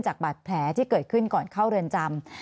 บาดแผลที่เกิดขึ้นก่อนเข้าเรือนจำ